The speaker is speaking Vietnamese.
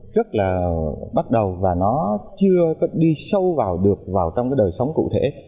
rất là bắt đầu và nó chưa có đi sâu vào được vào trong cái đời sống cụ thể